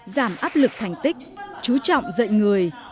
giảm áp lực thành tích chú trọng dạy người